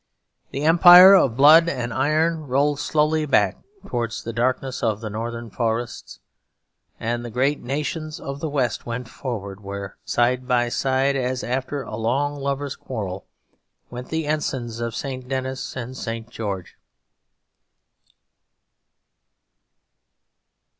The empire of blood and iron rolled slowly back towards the darkness of the northern forests; and the great nations of the West went forward; where side by side as after a long lover's quarrel, went the ensigns of St. Denys and St. George.